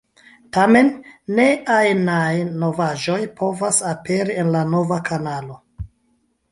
Tamen, ne ajnaj novaĵoj povas aperi en la nova kanalo.